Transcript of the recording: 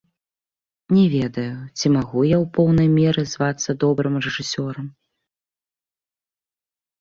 Не ведаю, ці магу я ў поўнай меры звацца добрым рэжысёрам.